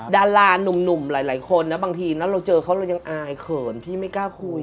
ดารานุ่มหลายคนนะบางทีนะเราเจอเขาเรายังอายเขินพี่ไม่กล้าคุย